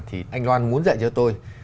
thì anh loan muốn dạy cho tôi